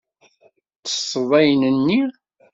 Ttesseḍ ayen-nni.